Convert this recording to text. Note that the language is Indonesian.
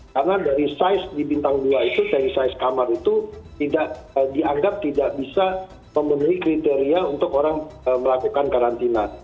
karena dari size di bintang dua itu dari size kamar itu tidak dianggap tidak bisa memenuhi kriteria untuk orang melakukan karantina